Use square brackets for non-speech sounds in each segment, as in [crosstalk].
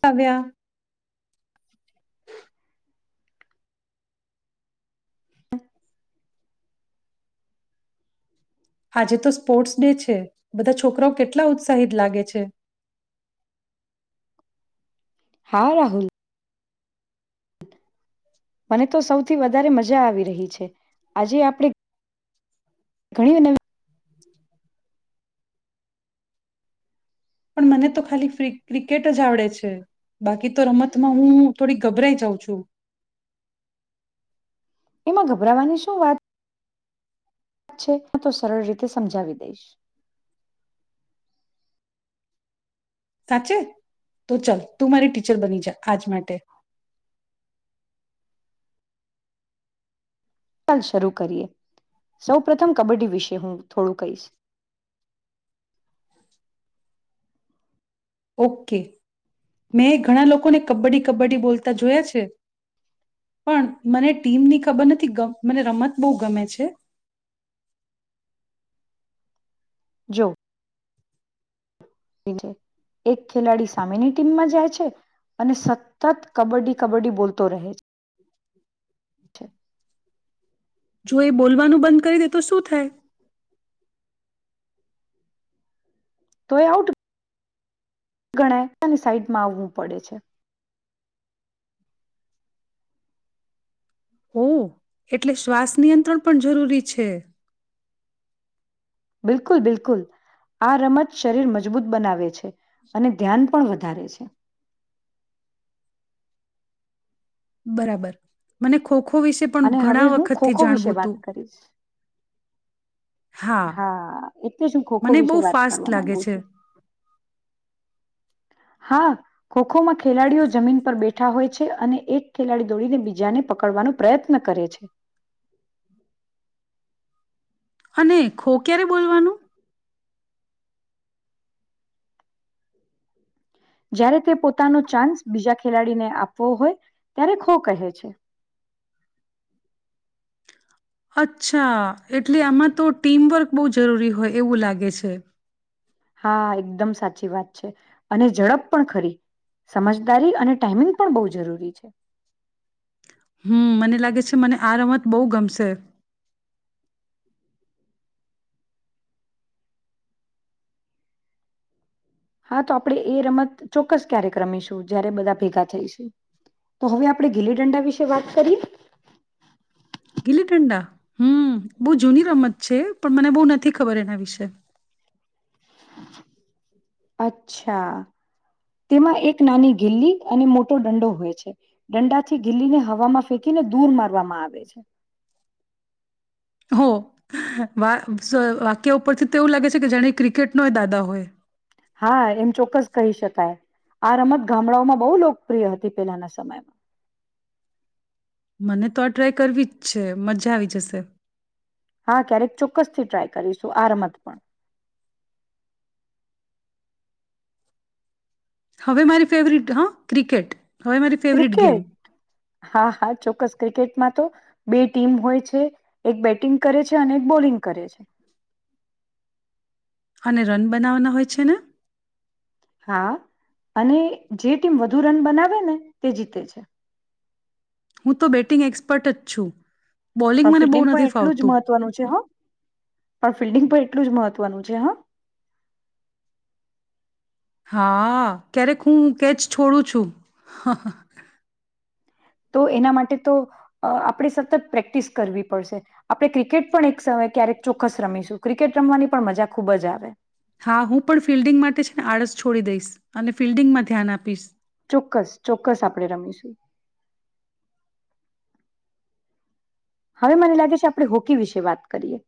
કવ્યા. [inaudible] આજે તો sports day છે. બધા છોકરાઓ કેટલા ઉત્સાહિત લાગે છે. [unintelligible] મને તો સૌથી વધારે મજા આવી રહી છે આજે આપણે ઘણી નવી પણ મને તો ખાલી ક્રિકેટ જ આવડે છે. બાકી તો રમતમાં હું થોડી ગભરાઈ જાઉં છું. એમાં ગભરાવાની શું વા ત છે હું તો સરળ રીતે સમજાવી દઈશ. સાચે તો ચાલ તું મારી ટીચર બની જા આજ માટે. ચાલ શરૂ કરીએ સૌ પ્રથમ કબડ્ડી વિશે હું થોડું કહીશ. ઓકે મેં ઘણા લોકોને કબડ્ડી કબડ્ડી બોલતા જોયા છે પણ મને ટીમની ખબર નથી મને રમત બહુ ગમે છે. જો. એક ખેલાડી સામેની ટીમમાં જાય છે અને સ તત કબડ્ડી કબડ્ડી બોતો રહેત. જો એ બોલવાનું બંધ કરી દે તો શું થાય? તો એ આઉટ ગણાય તેને સાઈડમાં આવવું પડે છે. ઓ, એટલે શ્વાસ નિયંત્રણ પણ જરૂરી છે. બિલકુલ, બિલકુલ. આ રમત શરીર મજબૂત બનાવે છે અને ધ્યાન પણ વધારે છે. બરાબર, મને ખો ખો ખો વિશે પણ અને ઘણા હવે હું વખતથી ખોખો વિશે જાણવું વાત હતું. કરીશ. હા, એટલે જ હું ખોખો મને બહુ વિશે વાત ફાસ્ટ કરવા લાગે માંગુ છે છું. હા ખોખો માં ખેલાડીઓ જમીન પર બેઠા હોય છે. અને એક ખેલાડી દોડીને બીજાને પકડવાનો પ્રયત્ન કરે છે. અને ખો ક્યારે બોલવાનું? જ્યારે તે પોતાનો ચાન્સ બીજા ખેલાડીને આપવો હોય ત્યારે ખો કહે છે. અચ્છા, એટલે આમાં તો ટીમવર્ક બહુ જરૂરી હોય એવું લાગે છે. હા, એકદમ સાચી વાત છે અને ઝડપ પણ ખરી સમજદારી અને ટાઈમિંગ પણ બહુ જરૂરી છે. હમ્મ, મને લાગે છે મને આ રમત બહુ ગમશે. હા, તો આપણે એ રમત ચોક્કસ ક્યારેક રમીશું જયારે બધા ભેગા થઈ છે તો હવે આપણે ગીલી ડંડા વિશે વાત કરીએ? ગીલી દંડા. હમ્મ, બહુ જૂની રમત છે પણ મને બહુ નથી ખબર એના વિશે. અચ્છા તેમાં એક નાની ગિલ્લી અને મોટો દંડો હોય છે. દંડા થી ગીલીને હવામાં ફેકીને દૂર મારવામાં આવે છે. હો વાહ, સો વાક્ય ઉપરથી તો એવું લાગે છે કે, જેણે ક્રિકેટનોય દાદા હોય. હા, એમ ચોક્કસ કહી શકાય આ રમત ગામડાઓમાં બહુ લોકપ્રિય હતી પેલાના સમયમાં. મને તો આ ટ્રાય કરવી જ છે મજા આવી જશે. હા, ક્યારેક ચોક્કસ થી ટ્રાય કરીશું આ રમત પણ. હવે મારી ફેવરિટ હા ક્રિકેટ. હવે મારી ફેવરિટ ગેમ ક્રિકેટ? હા, હા, ચોક્કસ ક્રિકેટ માં તો બે ટીમ હોય છે એક બેટિંગ કરે છે અને એક બોલિંગ કરે છે. અને રન બનાવવાના હોય છે ને? હા, અને જે ટીમ વધુ રન બનાવે ને તે જીતે છે. હું તો બેટિંગ એક્સપર્ટ જ છું. બોલિંગ પણ મને બહુ ફિલ્ડિંગ પણ નથી એટલું જ ફાવતું મહત્વનું છે હો. પણ ફિલ્ડિંગ પણ એ એટલું જ મહત્વનું છે હો. હા, ક્યારેક હું કેચ છોડું છું. તો એના માટે તો આપણે સતત પ્રેક્ટિસ કરવી પડશે. આપણે ક્રિકેટ પણ એક સમય ક્યારેક ચોક્કસ રમીશું ક્રિકેટ રમવાની પણ મજા ખૂબ જ આવે. હા, હું પણ ફિલ્ડિંગ માટે છે ને આળસ છોડી દઈશ અને ફિલ્ડિંગમાં ધ્યાન આપીશ. ચોક્કસ, ચોક્કસ આપણે રમીશું. હવે મને લાગે છે આપણે હોકી વિશે વાત કરીએ.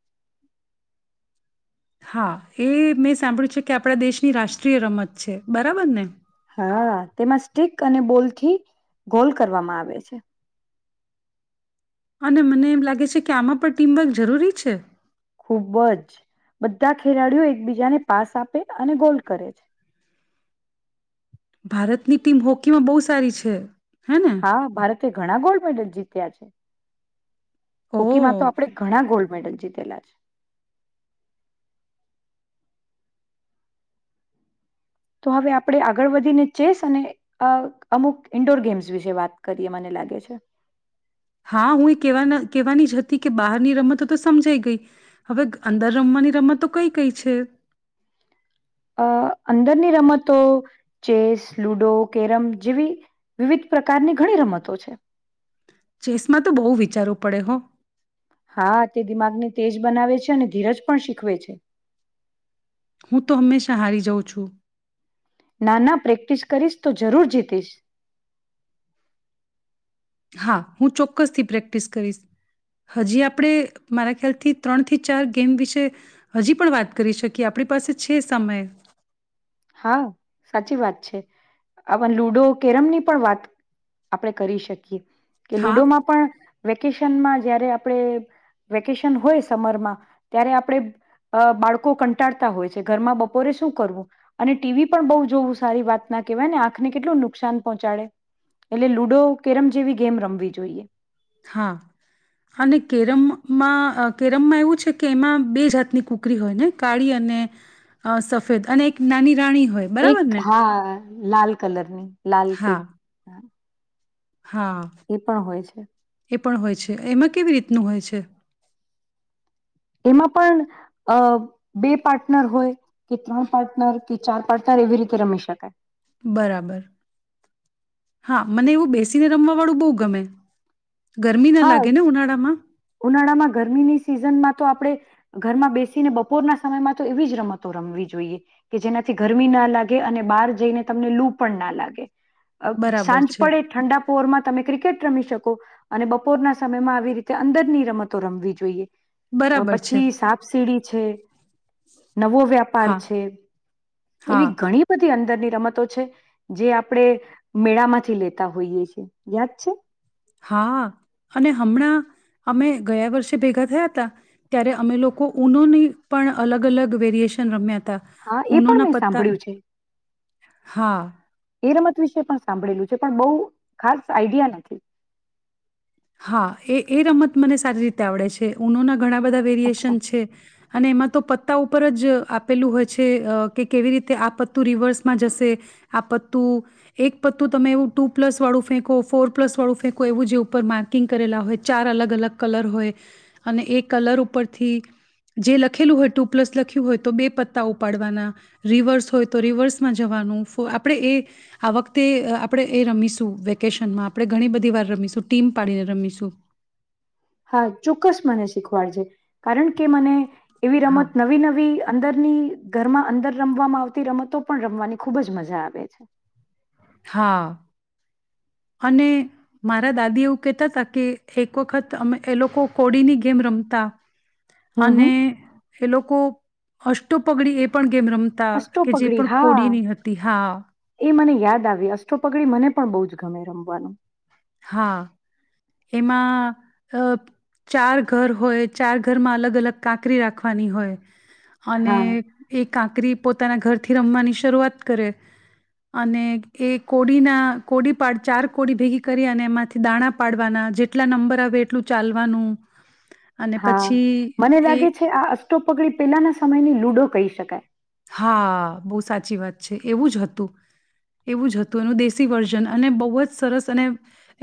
હા, એ મેં સાંભળ્યું છે કે આપણા દેશની રાષ્ટ્રીય રમત છે. બરાબર ને? હા તેમાં સ્ટિક અને બોલ થી ગોલ કરવામાં આવે છે. અને મને એમ લાગે છે કે આમાં પણ ટીમવર્ક જરૂરી છે. ખુબ જ બધા ખેલાડીઓ એકબીજાને પાસ આપે અને ગોલ કરે છે. ભારતની ટીમ હોકીમાં બહુ સારી છે. હે ને હા ભારત એ ઘણા ગોલ્ડ મેડલ જીત્યા છે. હોકી માં તો ઓહ આપડે ઘણા ગોલ્ મેડલ જીતેલાજ. તો હવે આપણે આગળ વધીને ચેસ અને અ અમુક ઈન્ડોર ગેમ્સ વિશે વાત કરીએ મને લાગે છે. હા, હું એવા કહેવા કહેવાની જ હતી કે બહારની રમતો તો સમજાઈ ગઈ હવે અંદર રમવાની રમતો કઈ કઈ છે? અ અંદરની રમતો ચેસ, લુડો, કેરમ જેવી વિવિધ પ્રકારની ઘણી રમતો છે. ચેસમાં તો બહુ વિચારવું પડે હો. હા, તે દિમાગને તેજ બનાવે છે. અને ધીરજ પણ શીખવે છે. હું તો હંમેશા હારી જાઉં છું. નાના પ્રેક્ટિસ કરીશ તો જરૂર જીતીશ. હા, હું ચોક્કસથી પ્રેક્ટિસ કરીશ હજી આપણે મારા ખ્યાલથી ત્રણથી ચાર ગેમ વિશે હજી પણ વાત કરી શકીએ આપણી પાસે છે સમય. હા, સાચી વાત છે. આ લુડો, કેરમની પણ વાત આપણેે કરી શકીએ. કે હા લુડોમાં પણ. વેકેશનમાં જયારે આપણે, વેકેશન હોય સમરમાં ત્યારે આપણે બાળકો કંટાળતા હોય છે ઘરમાં બપોરે શું કરવું. અને ટીવી પણ બહુ જોવ સારી વાત ના કહેવાય ને આંખને કેટલું નુકસાન પહોંચાડે, એટલે લુડો કેરમ જેવી ગેમ રમવી જોઈએ. હા, અને કેરમમાં કેરમમાં એવું છે કે એમાં બે જાતની કુકરી હોય ને કાળી અને, સફેદ અને એક નાની રાણી હોય એક બરાબર ને હા. લાલ કલરની. લાલ હા કેક હ. હા એ પણ હોય છે. એ પણ હોય છે એમાં કેવી રીતનું હોય છે? એમાં પણ અ બે પાર્ટનર હોય. ત્રણ પાર્ટનર કે ચાર પાર્ટનર એવી રીતે રમી શકાય. બરાબર, હા મને એવું બેસીને રમવા વાળું બહુ ગમે. ગરમી ના હા લાગે ને ઉનાળામાં. ઉનાળામાં ગરમીની સિઝનમાં તો આપણે, ઘરમાં બેસીને બપોરના સમયમાં તો એવી જ રમતો રમવી જોઈએ, કે જેનાથી ગરમી ના લાગે અને બહાર જઈને તમને લૂ પણ ના લાગે. બરાબર સાંજ છે, પડે ઠંડા પોવરમાં તમે ક્રિકેટ રમી શકો. અને બપોરના સમય માં આવી રીતે અંદરની રમતો રમવી જોઈએ બરાબર છે. પછી સાપ સીડી છે નવો વ્યાપાર હા, છે હા, એવી ઘણી બધી અંદર અંદર ની રમતો છે જે આપણે મેળામાંથી લેતા હોઈએ છેએ યાદ છે હા અને હમણાં અમે ગયા વર્ષે ભેગા થયા હતા ત્યારે અમે લોકો ઉનોની પણ અલગ અલગ વેરિએશન રમ્યા હતા હા ઉ એ પણ ના મેં પતા સાંભળ્યું છે હા એ રમત વિશે પણ સાંભળેલું છે પણ બહુ ખાસ આઈડિયા નથી હા એ એ રમત મને સારી રીતે આવડે છે ઉનો ના ઘણા બધા વેરિયેશન અચ્છા છે અને એમાં તો પત્તા ઉપર જ આપેલું હોય છે કે કેવી રીતે આ પત્તું રિવર્સમાં જશે આ પત્તું એક પત્તું તમે એવું ટુ પ્લસ વાળું ફેંકો ફોર પ્લસ વાળું ફેંકો એવું જે ઉપરમાં કકિંગ કરેલા હોય ચાર અલગ અલગ કલર હોય અને એ કલર ઉપરથી જે લખેલું હોય ટુ પ્લસ લખ્યું હોય તો બે પત્તા ઉપાડવાના રિવર્સ હોય તો રિવર્સમાં જવાનું આપણે એ આ વખતે આપણે એ રમીશું વેકેશનમાં આપણે ઘણી બધી વાર રમીશું ટીમ પાડીને રમીશું હા ચોક્કસ મને શીખવાડ છે કારણ કે મને એવી હા. રમત નવી નવી અંદરની ઘરમાં અંદર રમવામાં આવતી રમતો પણ રમવાની ખુબ જ મજા આવે છે હા અને મારા દાદી એવું કહેતા હતા કે એક વખત અ એ લોકો કોડીની ગેમ રમતા હમ અને હમ. એ લોકો અષ્ટો પગડી એ પણ ગેમ રમતા અષો કે જે પગડી પણ હા કોડીની હતી હા એ મને યાદ આવે અષ્ટોપગડી મને પણ બહ જ ગમે રમવાનું હા એમાં અ ચાર ઘર હોય ચાર ઘરમાં અલગ અલગ કાંકરી રાખવાની હોય અને હા એ કાંકરી પોતાના ઘરથી રમવાની શરૂઆત કરે અને એ કોડીના કોડીપડ ચાર કોડી ભેગી કરી અને એમાંથી દાણા પાડવાના જેટલા નંબર આવે એટલું ચાલવાનું અને હા પછી મને એ લાગે છે આ અષ્ટોપગડી પેલાના સમયની લુડો કહી શકે ક હા બહુ સાચી વાત છે એવું જ હતું એવું જ હતું એનું દેશી વર્ઝન અને બહુ જ સરસ અને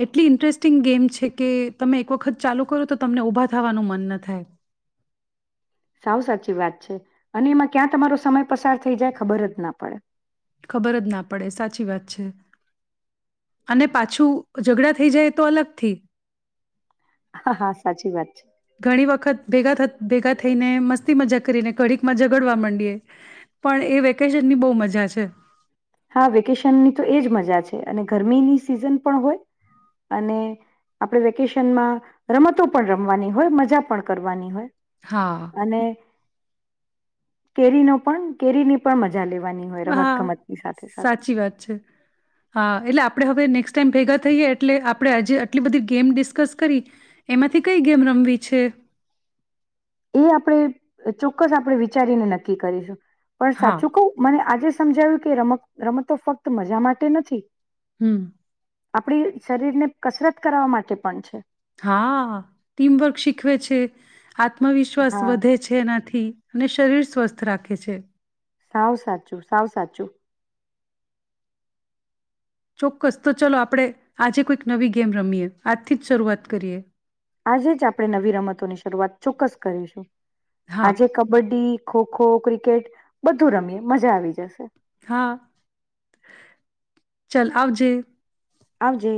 એટલી ઇન્ટરેસ્ટિંગ ગેમ છે કે તમે એક વખત ચાલુ કરો તો તમને ઉઊભા થવાનું મન ન થાય સાવ સાચી વાત છે અને એમાં ક્યાં તમારો સમય પસાર થઈ જાય ખબર જ ના પડે ખબર જ ના પડે સાચી વાત છે અને પાછું ઝઘડા થઈ જાય તો અલગથી હા હા સાચી વાત છે. ઘણી વખત ભેગા થ ભેગા થઈને મસ્તી મજા કરીને કડીક માં ઝડવા માંડીએ પણ એ વેકેશન ની બહુ મજા છે હા વેકેશનની તો એ જ મજા છે અને ગરમીની સિઝન પણ હોય અને આપણે વેકેશનમાં રમતો પણ રમવાની હોય મજા પણ કરવાની હોય હા કેરી ન પણ કેરીની પણ મજા મજા લેવાની હોય રમત હા ગમત સાચી વાત છે હા એટલે આપડે હવે નેક્સ્ટ ટાઈમ ભેગા થઈએ એટલે આપણે આજે આટલી બધી ગેમ ડિસ્કસ કરી એમાંથી કઈ ગેમ રમવી છે એ આપણેે ચોક્કસ આપણે વિચારીને નક્કી કરીશું પણ હા સાચું કવ મને આજે સમજાયું કે રમત રમત ફક્ત મજા માટે નથી હમ્મ. આપણી શરીરને કસરત કરવા માટે પણ છે. હા, ટીમવર્ક શીખવે છે. આત્મવિશ્વાસ હા, વધે છે એના થી અને શરીર સ્વસ્થ રાખે છે. સાવ સાચું. સાવ સાચું. ચોક્કસ તો ચલો આપણે આજે કોઈક નવી ગેમ રમીએ. આજથી જ શરૂઆત કરીએ. આજે જ આપણે નવી રમતોની શરૂઆત ચોક્કસ કરીશું. હા આજે કબડ્ડી ખોખો, ક્રિકેટ બધું રમીએ મજા આવી જશે. હા, ચલ આવજે. આવજે.